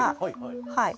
はい。